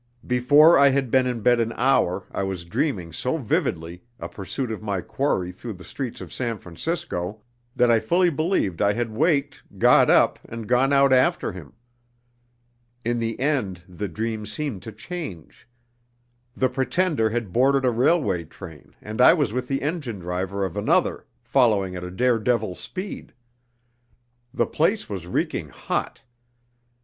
Before I had been in bed an hour I was dreaming so vividly a pursuit of my quarry through the streets of San Francisco, that I fully believed I had waked, got up, and gone out after him. In the end the dream seemed to change. The pretender had boarded a railway train, and I was with the engine driver of another, following at a dare devil speed. The place was reeking hot.